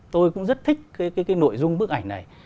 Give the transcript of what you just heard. tôi cũng rất thích nội dung bức ảnh này